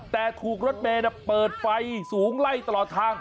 แต่ถูกรถเมย์เปิดไฟสูงไล่ตลอดทาง